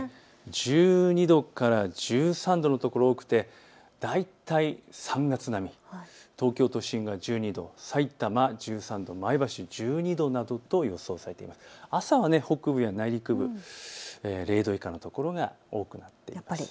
１２度から１３度の所が多くて大体３月並み、東京都心が１２度、さいたま１３度、前橋１２度などと予想されて朝は北部や内陸部、０度以下の所が多くなっています。